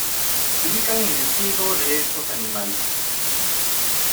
Se ubican en el ciego de estos animales.